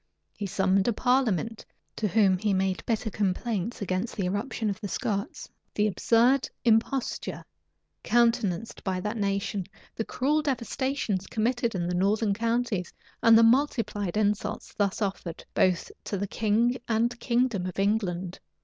He summoned a parliament, to whom he made bitter complaints against the irruption of the Scots, the absurd imposture countenanced by that nation, the cruel devastations committed in the northern counties, and the multiplied insults thus offered both to the king and kingdom of England.